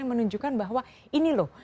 yang menunjukkan bahwa ini loh